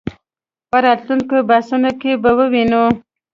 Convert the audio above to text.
په راتلونکو بحثونو کې به ووینو.